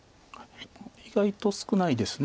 意外と少ないですね